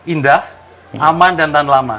indah aman dan tahan lama